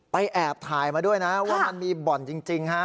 แอบถ่ายมาด้วยนะว่ามันมีบ่อนจริงฮะ